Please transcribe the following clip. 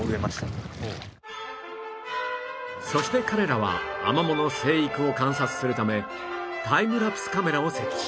そして彼らはアマモの生育を観察するためタイムラプスカメラを設置